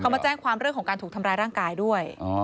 เขามาแจ้งความเรื่องของการถูกทำร้ายร่างกายด้วย